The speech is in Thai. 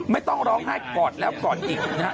ไม่ต้องร้องไห้กอดแล้วกอดอีกนะฮะ